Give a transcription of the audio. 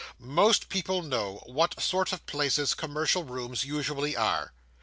Most people know what sort of places commercial rooms usually are.